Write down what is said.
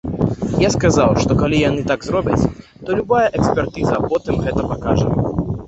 Я сказаў, што калі яны так зробяць, то любая экспертыза потым гэта пакажа.